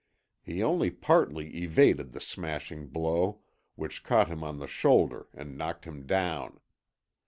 He only partly evaded the smashing blow, which caught him on the shoulder and knocked him down.